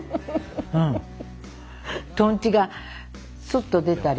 とんちがスッと出たり。